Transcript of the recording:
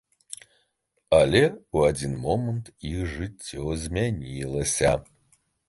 Але ў адзін момант іх жыццё змянілася.